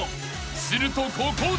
［するとここで］